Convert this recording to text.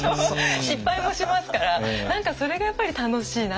失敗もしますから何かそれがやっぱり楽しいなって思いますね。